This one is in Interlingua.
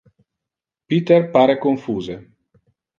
Peter pare confuse.